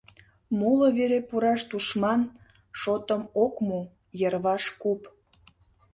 Моло вере пураш тушман шотым ок му: йырваш куп.